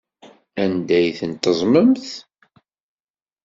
Anda ay tent-teẓẓmemt?